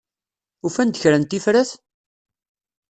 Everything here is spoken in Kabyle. Ufan-d kra n tifrat?